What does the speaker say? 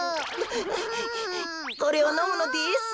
これをのむのです。